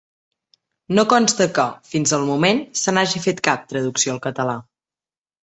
No consta que, fins al moment, se n'hagi fet cap traducció al català.